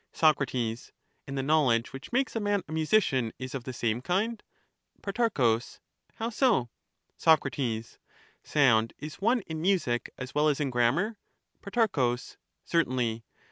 Soc, And the knowledge which makes a man a musician is of the same kind. Pro, How so? Soc. Sound is one in music as well as in grammar ? Pro, Certainly.